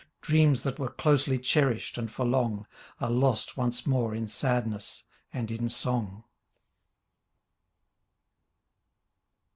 Dreams that were closely cherished and for long. Are lost once more in sadness and in song.